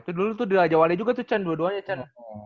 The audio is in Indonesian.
itu dulu tuh di rajawali juga tuh cen dua duanya cen